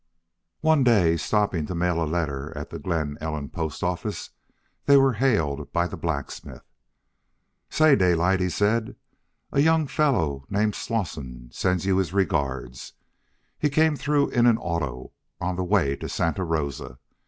One day, stopping to mail a letter at the Glen Ellen post office, they were hailed by the blacksmith. "Say, Daylight," he said, "a young fellow named Slosson sends you his regards. He came through in an auto, on the way to Santa Rosa.